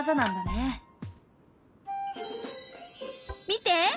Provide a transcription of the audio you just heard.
見て！